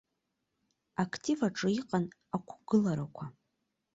Актив аҿы иҟан ақәгыларақәа.